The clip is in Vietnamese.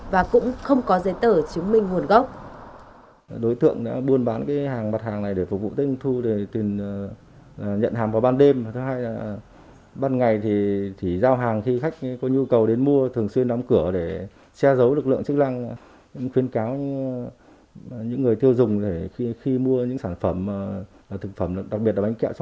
và cũng không có dây tờ chứng minh nguồn gốc